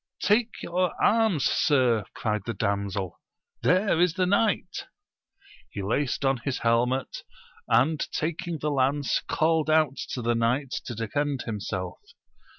Take your arms, sir, cried the damsel, there is the knight ! He laced on his helmet, and taking the lance called out to the knight to defend himself.